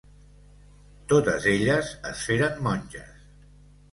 Totes elles es feren monges.